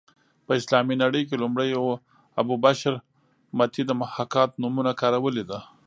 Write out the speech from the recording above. په اسلامي نړۍ کې لومړی ابو بشر متي د محاکات نومونه کارولې ده